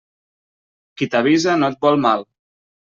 Qui t'avisa no et vol mal.